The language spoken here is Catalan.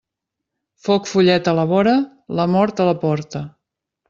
Foc follet a la vora, la mort a la porta.